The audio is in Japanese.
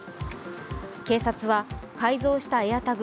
警察は改造したＡｉｒＴａｇ